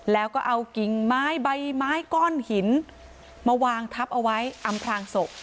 แล้วก็เอากิ่งไม้ใบไม้ก้อนหินมาวางทับเอาไว้อำพลางศพ